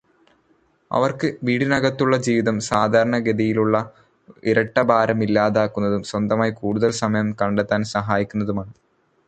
അവർക്ക് വീട്ടിനകത്തുള്ള ജീവിതം സാധാരണഗതിയിലുള്ള ഇരട്ടഭാരം ഇല്ലാതാക്കുന്നതും സ്വന്തമായി കൂടുതൽ സമയം കണ്ടെത്താൻ സഹായിക്കുന്നതുമാണ്.